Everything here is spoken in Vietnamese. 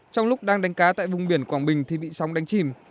trong lúc đang đánh cá tại vùng biển quảng bình thì bị sóng đánh chìm